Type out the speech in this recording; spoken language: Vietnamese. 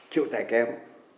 chịu tải kém